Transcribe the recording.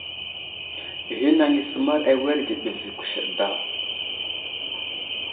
Ghinaŋ i səmar awerge ɓəlvi kuseɗ daw.